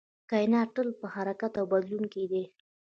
کائنات تل په حرکت او بدلون کې دی